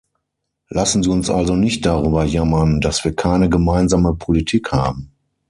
Lassen Sie uns also nicht darüber jammern, dass wir keine gemeinsame Politik haben.